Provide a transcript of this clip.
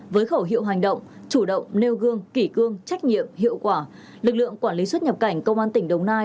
với khẩu hiệu hành động chủ động nêu gương kỷ cương trách nhiệm hiệu quả lực lượng quản lý xuất nhập cảnh công an tỉnh đồng nai